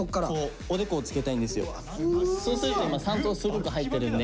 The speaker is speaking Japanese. そうすると今三頭すごく入ってるんで。